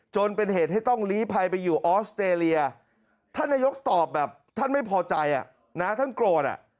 จนเป็นเหตุให้ต้องลี้ภัยไปอยู่ออสเตรเลียท่านนายกตอบแบบท่านไม่พอใจนะท่านโกรธอ่ะ